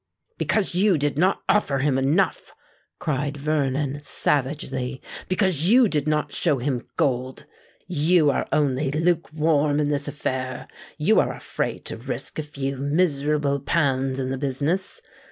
"Because you did not offer him enough," cried Vernon, savagely: "because you did not show him gold! You are only lukewarm in this affair: you are afraid to risk a few miserable pounds in the business.